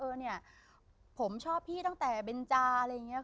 เอาเนี้ยผมชอบพี่ตั้งแต่ประบันจาอะไรยังว่า